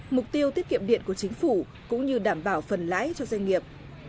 mục tiêu tiết kiệm điện của chính phủ cũng như đảm bảo phần lãi cho doanh nghiệp